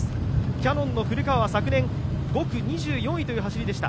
キヤノンの古川は昨年５区２４位という走りでした。